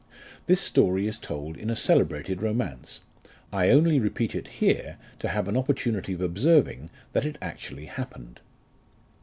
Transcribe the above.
This story is told in a celebrated romance ; J I only repeat it here to have an opportunity of observing, that it actually happened.